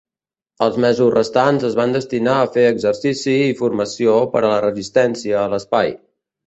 Els mesos restants es van destinar a fer exercici i formació per a la resistència a l'espai.